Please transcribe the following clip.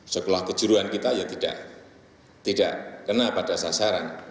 sekolah kejuruan kita ya tidak kena pada sasaran